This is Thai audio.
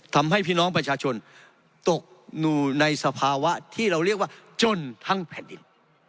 ทำให้พี่น้องประชาชนตกอยู่ในสภาวะที่เราเรียกว่าจนทั้งแผ่นดิน